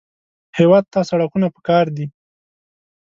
هېواد ته سړکونه پکار دي